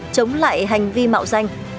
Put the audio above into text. chống lại hành vi mạo danh